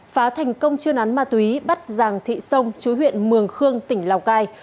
phá thành công chuyên án ma túy bắt giàng thị sông chú huyện mường khương tỉnh lào cai